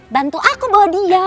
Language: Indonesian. bantu aku bawa dia